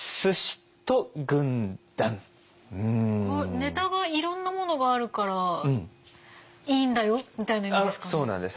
ネタがいろんなものがあるからいいんだよみたいな意味ですかね。